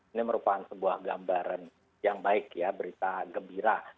ini merupakan sebuah gambaran yang baik ya berita gembira